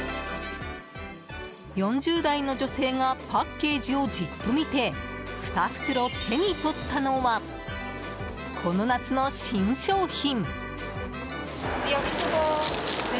４０代の女性がパッケージをじっと見て２袋、手に取ったのはこの夏の新商品。